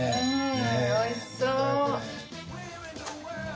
おいしそう。